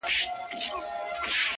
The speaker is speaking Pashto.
خدای زموږ معبود دی او رسول مو دی رهبر.